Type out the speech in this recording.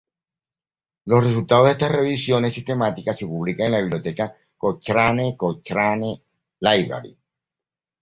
Los resultados de estas revisiones sistemáticas se publican en la Biblioteca Cochrane Cochrane Library.